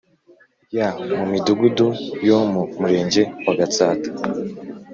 ya mu Midugudu yo mu Murenge wa Gatsata